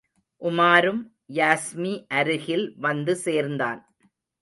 உமாரும், யாஸ்மி அருகில் வந்து சேர்ந்தான்.